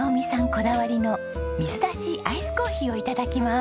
こだわりの水だしアイスコーヒーを頂きます。